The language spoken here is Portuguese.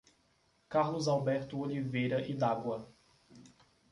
Carlos Alberto Oliveira Idagua